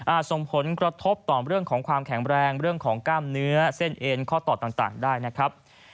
ส่งผลกระทบต่อเรื่องของความแข็งแรงเรื่องของกล้ามเนื้อเส้นเอ็นข้อต่อต่างได้นะครับ